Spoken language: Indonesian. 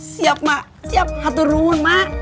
siap mak siap hatur ruwun mak